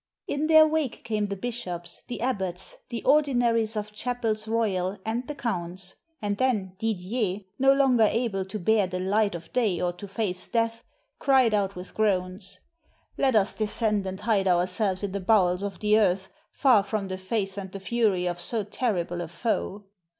In their wake came the bishops, the abbots, the ordinaries of the chapels royal, and the counts; and then Didier, no lon ger able to bear the light of day or to face death, cried out with groans, 'Let us descend and hide ourselves in the bowels of the earth, far from the face and the fury of so terrible a foe.'